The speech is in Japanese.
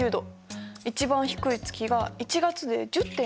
一番低い月が１月で１０．１度。